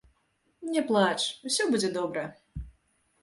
Не плач, усё будзе добра!